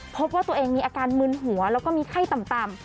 พบว่าตัวเองมีอาการมึนหัวแล้วก็มีไข้ต่ำ